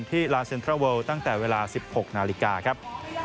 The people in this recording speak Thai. ลาเซ็นทรัลเวิลตั้งแต่เวลา๑๖นาฬิกาครับ